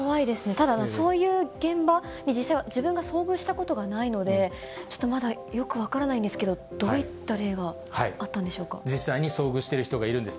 ただ、そういう現場に実際、自分は遭遇したことがないので、ちょっとまだよく分からないんですけど、どういった例があったん実際に遭遇している人がいるんです。